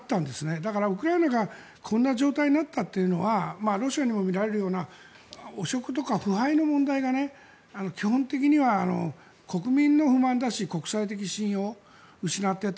だからウクライナがこんな状態になったというのはロシアにもみられるような汚職とか腐敗の問題が基本的には国民の不満だし国際的信用を失っていた。